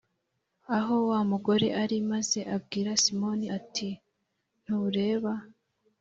Aho Wa Mugore Ari Maze Abwira Simoni Ati Ntureba